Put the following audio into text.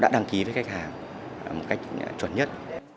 đi với khách hàng một cách chuẩn nhất